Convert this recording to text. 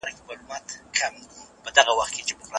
د ده په ګوتو سره د کیبورډ بټنې وتړکېدې.